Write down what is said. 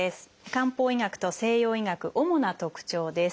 漢方医学と西洋医学主な特徴です。